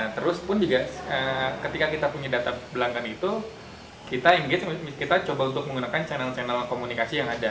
terus pun juga ketika kita punya data belangkan itu kita engagement kita coba untuk menggunakan channel channel komunikasi yang ada